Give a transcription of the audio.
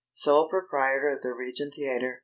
"Sole proprietor of the Regent Theatre."